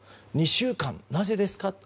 ２週間、なぜですかと。